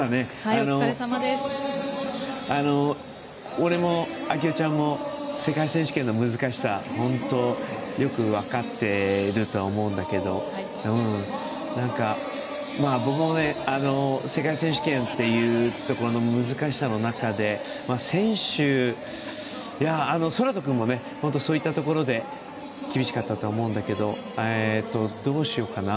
俺も、啓代ちゃんも世界選手権の難しさ、本当よく分かってると思うんだけどなんか、僕もね世界選手権っていうとこの難しさの中で宙斗君も、そういったところで厳しかったと思うんだけどどうしようかな。